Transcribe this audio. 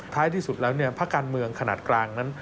ท้ายที่สุดแล้วภาคการเมืองขนาดกลางนั้น